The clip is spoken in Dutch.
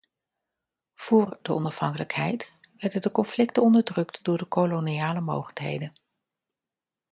Voor de onafhankelijkheid werden de conflicten onderdrukt door de koloniale mogendheden.